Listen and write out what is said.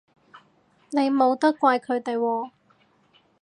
你冇得怪佢哋喎